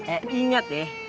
eh inget ya